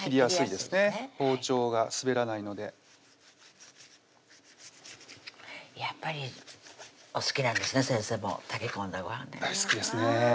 包丁が滑らないのでやっぱりお好きなんですね先生も炊き込んだごはんが大好きですね